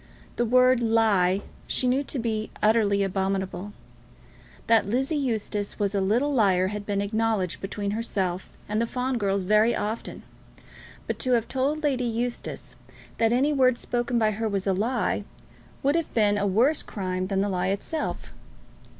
The word "lie" she knew to be utterly abominable. That Lizzie Eustace was a little liar had been acknowledged between herself and the Fawn girls very often, but to have told Lady Eustace that any word spoken by her was a lie, would have been a worse crime than the lie itself.